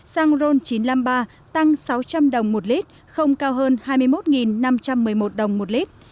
xăng ron chín trăm năm mươi ba tăng sáu trăm linh đồng một lít không cao hơn hai mươi một năm trăm một mươi một đồng một lít